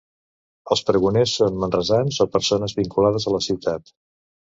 Els pregoners són manresans o persones vinculades a la ciutat.